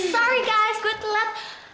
maaf guys semoga beruntung